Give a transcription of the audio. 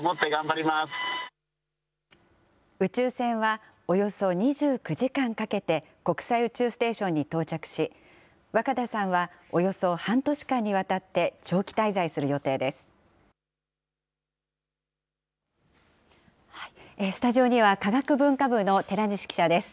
宇宙船はおよそ２９時間かけて国際宇宙ステーションに到着し、若田さんはおよそ半年間にわたって長期滞在する予定です。